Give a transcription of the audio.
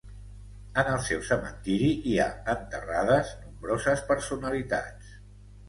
En el seu cementiri hi ha enterrades nombroses personalitats.